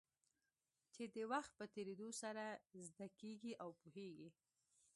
چې د وخت په تېرېدو سره زده کېږي او پوهېږې.